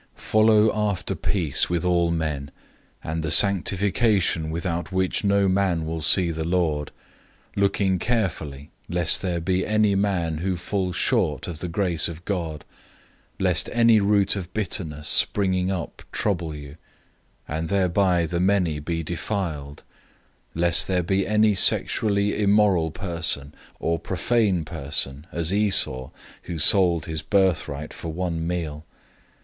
012:014 Follow after peace with all men, and the sanctification without which no man will see the Lord, 012:015 looking carefully lest there be any man who falls short of the grace of God; lest any root of bitterness springing up trouble you, and many be defiled by it; 012:016 lest there be any sexually immoral person, or profane person, like Esau, who sold his birthright for one meal.